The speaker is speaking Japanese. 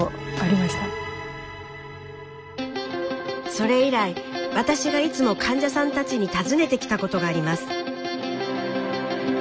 それ以来私がいつも患者さんたちに尋ねてきたことがあります。